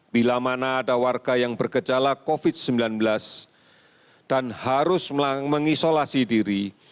bila mana ada warga yang bergejala covid sembilan belas dan harus mengisolasi diri